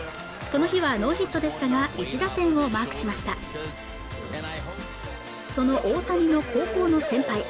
この日はノーヒットでしたが１打点をマークしましたその大谷の高校の先輩